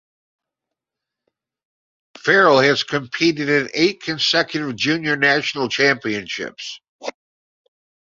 Farrell has competed in eight consecutive Junior National Championships.